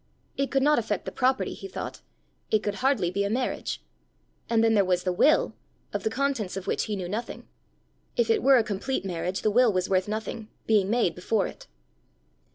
It could not affect the property, he thought: it could hardly be a marriage! And then there was the will of the contents of which he knew nothing! If it were a complete marriage, the will was worth nothing, being made before it!